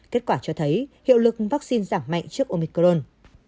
kết quả cho thấy hiệu lực vaccine giảm mạnh trước omicron